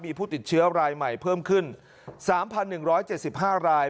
มีผู้ติดเชื้อรายใหม่เพิ่มขึ้นสามพันหนึ่งร้อยเจ็ดสิบห้าราย